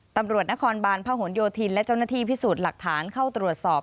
ตำรวจนครบาลพระหลโยธินและเจ้าหน้าที่พิสูจน์หลักฐานเข้าตรวจสอบ